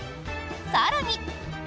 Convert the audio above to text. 更に。